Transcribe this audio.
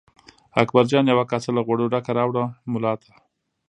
اکبرجان یوه کاسه له غوړو ډکه راوړه ملا ته.